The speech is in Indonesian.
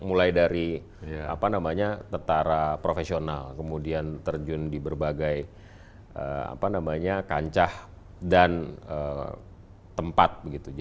mulai dari tetara profesional kemudian terjun di berbagai kancah dan tempat